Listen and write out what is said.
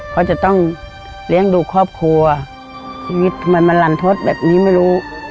เขาจะต้องเลี้ยงดูครอบครัวชีวิตทำไมมันลันทศแบบนี้ไม่รู้